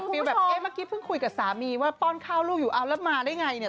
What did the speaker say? แบบเอ๊ะเมื่อกี้เพิ่งคุยกับสามีว่าป้อนข้าวลูกอยู่เอาแล้วมาได้ไงเนี่ย